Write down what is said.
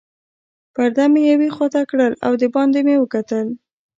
پرده مې یوې خواته کړل او دباندې مې وکتل.